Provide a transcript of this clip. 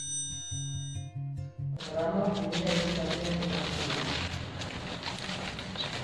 Programa, familia etxe batean kokatzen da.